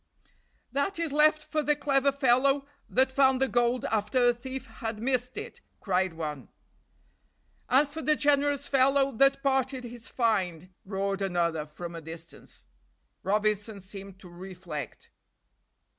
"That is left for the clever fellow that found the gold after a thief had missed it," cried one. "And for the generous fellow that parted his find," roared another, from a distance. Robinson seemed to reflect.